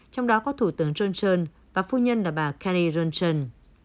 trong đó có thủ tướng johnson và phu nhân là bà kari johnson